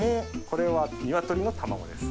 これはニワトリの卵です。